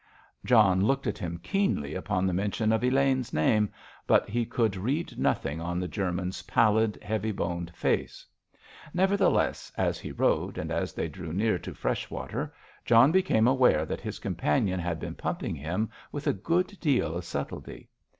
John looked at him keenly upon the mention of Elaine's name, but he could read nothing on the German's pallid, heavy boned face. Nevertheless, as he rode, and as they drew near to Freshwater, John became aware that his companion had been pumping him with a good deal of subtlety.